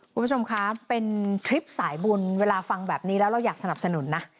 คุณผู้ชมคะเป็นทริปสายบุญเวลาฟังแบบนี้แล้วเราอยากสนับสนุนนะ